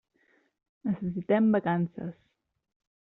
Necessitem vacances.